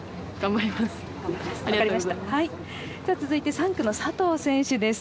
続いて３区の佐藤選手です。